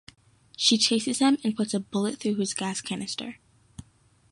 She chases him and puts a bullet through his gas canister.